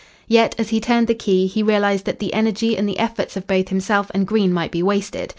Yet, as he turned the key, he realised that the energy and the efforts of both himself and Green might be wasted.